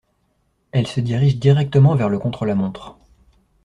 Elle se dirige directement vers le contre-la-montre.